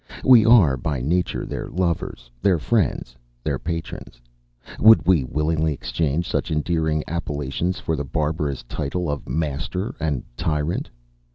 We are, by nature, their lovers, their friends, their patrons. Would we willingly exchange such endearing appellations for the barbarous title of master and tyrant?